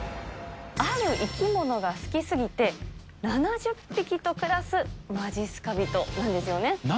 ある生き物が好きすぎて、７０匹と暮らすまじっすか人なんですよね。